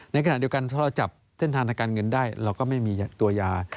ในขณะเดียวกันถ้าเราจับเส้นทางทางการเงินได้เราก็ไม่มีตัวยา